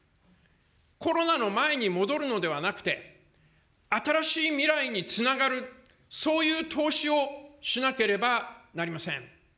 コロナの前に戻るのではなくて、新しい未来につながる、そういう投資をしなければなりません。